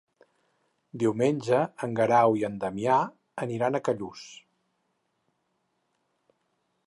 Diumenge en Guerau i en Damià aniran a Callús.